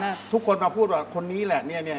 ทุกคนมาพูดว่าคนนี้แหละเนี่ย